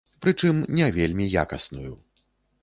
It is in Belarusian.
Прычым, не вельмі якасную.